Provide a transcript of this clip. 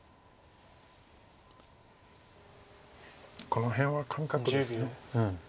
この辺は感覚です。